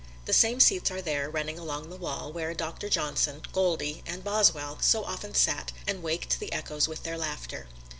The same seats are there, running along the wall, where Doctor Johnson, "Goldy" and Boswell so often sat and waked the echoes with their laughter.